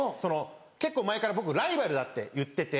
結構前から僕ライバルだって言ってて。